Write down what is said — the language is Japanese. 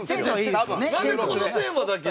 なんでこのテーマだけ。